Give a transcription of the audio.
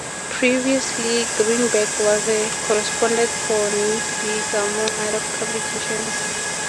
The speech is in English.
Previously, Greenberg was a correspondent for "Newsweek", among other publications.